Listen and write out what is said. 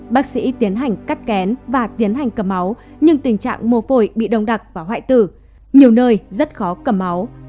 bác sĩ tiến hành cắt kén và tiến hành cầm máu nhưng tình trạng mô phổi bị đông đặc và hoại tử nhiều nơi rất khó cầm máu